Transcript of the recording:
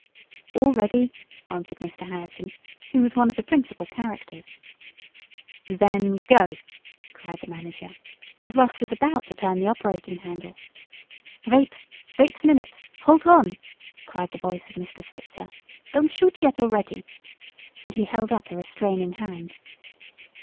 "All ready," answered Mr. Harrison, who was one of the principal characters. "Then go!" cried the manager, and Russ was about to turn the operating handle. "Vait! Vait a minute. Holt on!" cried the voice of Mr. Switzer. "Don't shoot yet alretty!" and he held up a restraining hand.